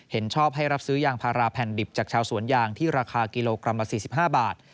เห็นชอบให้รับซื้อยางพาราแผ่นดิบจากชาวสวนยางที่ราคากิโลกรัมละ๔๕บาท